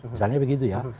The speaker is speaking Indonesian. misalnya begitu ya